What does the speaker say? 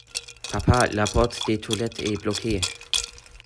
Papa la porte des toilettes est bloquée!